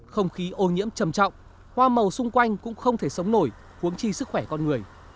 không khí ô nhiễm trầm trọng hoa màu xung quanh cũng không thể sống nổi huống chi sức khỏe con người